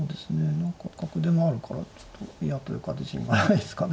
何か角出もあるからちょっと嫌というか自信がないですかね。